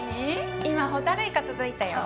今ホタルイカ届いたよ。